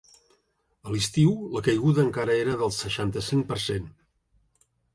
A l’estiu la caiguda encara era del seixanta-cinc per cent.